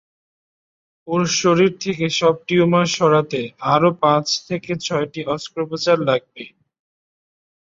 ওর শরীর থেকে সব টিউমার সরাতে আরও পাঁচ থেকে ছয়টি অস্ত্রোপচার লাগবে।